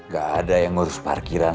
gak ada yang ngurus parkiran